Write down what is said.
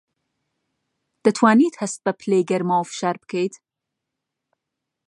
دەتوانیت هەست بە پلەی گەرما و فشار بکەیت؟